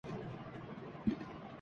ظاہر ہوا کہ داغ کا سرمایہ دود تھا